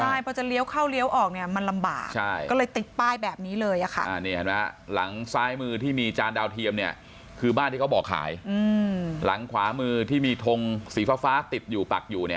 ใช่พอจะเลี้ยวเข้าเลี้ยวออกเนี่ยมันลำบากก็เลยติดป้ายแบบนี้เลยค่ะ